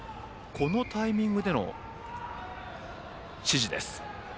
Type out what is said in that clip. このタイミングでの指示です。